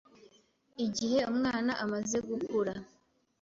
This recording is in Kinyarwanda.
igihe umwana amaze gukura.